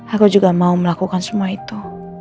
aku juga mau melakukan semua itu